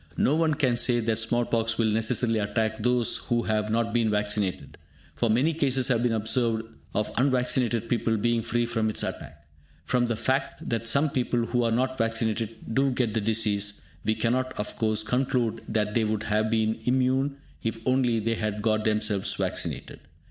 No one can say that small pox will necessarily attack those who have not been vaccinated; for many cases have been observed of unvaccinated people being free from its attack. From the fact that some people who are not vaccinated do get the disease, we cannot, of course, conclude that they would have been immune if only they had got themselves vaccinated.